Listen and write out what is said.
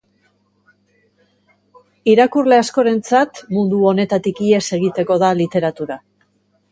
Irakurle askorentzat mundu honetatik ihes egiteko da literatura.